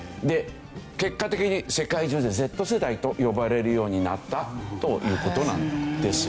結果的に世界中でＺ世代と呼ばれるようになったという事なんですよ。